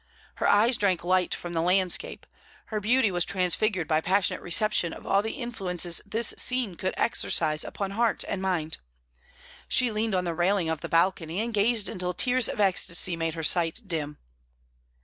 Her eyes drank light from the landscape; her beauty was transfigured by passionate reception of all the influences this scene could exercise upon heart and mind. She leaned on the railing of the balcony, and gazed until tears of ecstasy made her sight dim.